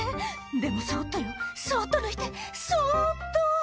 「でもそっとよそっと抜いてそっと」